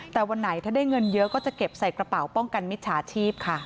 แต่วันไหนถ้าได้เงินเยอะก็จะเก็บใส่กระเป๋าป้องกันมิจฉาชีพค่ะ